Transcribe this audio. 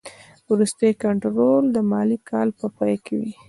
وروستی کنټرول د مالي کال په پای کې وي.